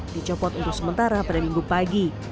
dicopot untuk sementara pada minggu pagi